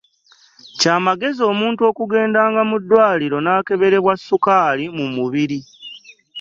Kya magezi omuntu okugendanga mu ddwaliro n’akeberebwa sukaali mu mubiri.